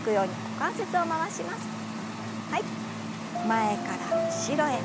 前から後ろへ。